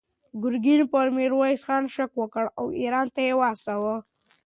ګورګین پر میرویس خان شک وکړ او ایران ته یې واستاوه.